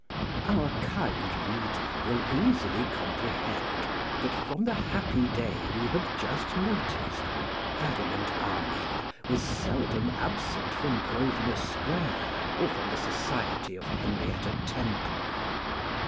OUR kind reader will easily comprehend that from the happy day we have just noticed, Ferdinand Armine was seldom absent from Grosvenor square, or from the society of Henrietta Temple.